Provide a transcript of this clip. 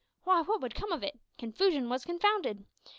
W'y, wot would come of it? Confoosion wus confounded.